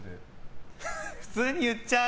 普通に言っちゃう。